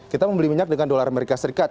kita membeli minyak dengan dolar amerika serikat